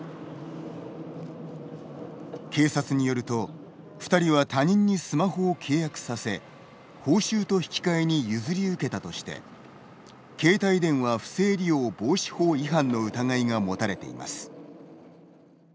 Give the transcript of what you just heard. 警察によると２人は他人にスマホを契約させ報酬と引き換えに譲り受けたとして携帯電話不正利用防止法違反の疑いが持たれています。